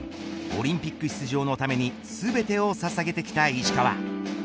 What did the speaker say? オリンピック出場のために全てをささげてきた石川。